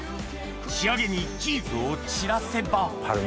仕上げにチーズを散らせばパルメザン。